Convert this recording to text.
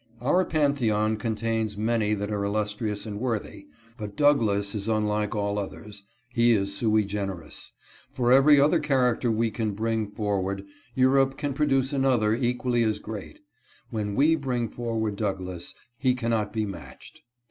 Our Pantheon contains many that are illustrious and worthy, but Douglass is unlike all others, he is mi generis. For every other great character we can bring forward, Europe can produce another equally as great ; when we bring forward Douglass, he cannot be matched.